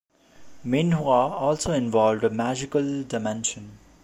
Minhwa also involved a magical dimension.